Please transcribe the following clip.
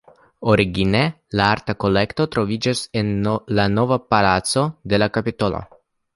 Origine la arta kolekto troviĝis en la "Nova Palaco" de la Kapitolo.